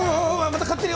また勝手に。